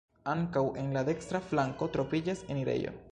Ankaŭ en la dekstra flanko troviĝas enirejo.